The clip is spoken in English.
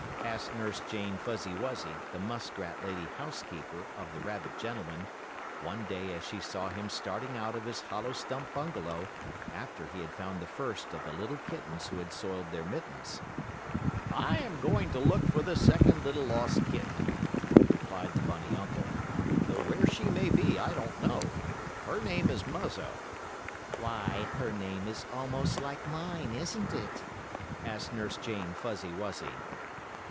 asked Nurse Jane Fuzzy Wuzzy, the muskrat lady housekeeper, of the rabbit gentleman, one day as she saw him starting out of his hollow stump bungalow, after he had found the first of the little kittens who had soiled their mittens. "I am going to look for the second little lost kitten," replied the bunny uncle, "though where she may be I don't know. Her name is Muzzo." "Why, her name is almost like mine, isn't it?" asked Nurse Jane Fuzzy Wuzzy.